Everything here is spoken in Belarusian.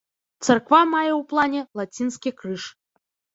Царква мае ў плане лацінскі крыж.